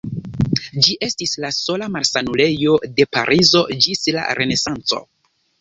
Ĝi estis la sola malsanulejo de Parizo ĝis la Renesanco.